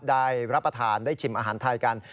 ได้รับประทานได้ชิมอาหารไทยกัน